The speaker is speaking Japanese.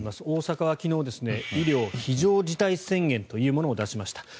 大阪は昨日、医療非常事態宣言というものを出しました。